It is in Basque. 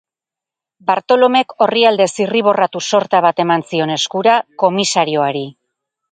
Bartolomek orrialde zirriborratu sorta bat eman zion eskura komisarioari.